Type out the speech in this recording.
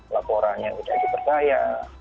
laporan yang tidak dipercaya